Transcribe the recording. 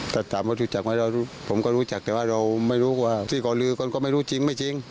ถ้าถามว่ารู้จักไหมผมก็รู้จักแต่ว่าเราไม่รู้ว่าที่ก่อนลือกันก็ไม่รู้จริงไม่จริง